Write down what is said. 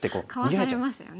かわされますよね。